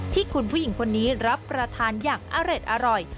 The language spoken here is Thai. ที่คุณผู้หญิงคนนี้รับประทานอย่างอร่อย